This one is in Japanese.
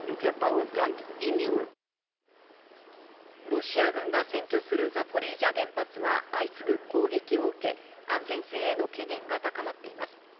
ロシア軍が占拠するザポリージャ原発は相次ぐ攻撃を受け、安全性の懸念が高まっています。